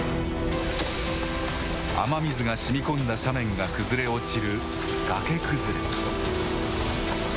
雨水がしみこんだ斜面が崩れ落ちる崖崩れ。